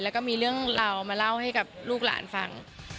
แล้วก็มีเรื่องราวมาเล่าให้กับลูกหลานฟัง